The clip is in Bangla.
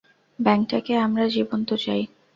ব্যাঙটাকে আমার জীবন্ত চাই।